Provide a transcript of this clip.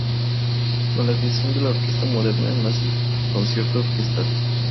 Con la creación de la orquesta moderna nace el concierto orquestal.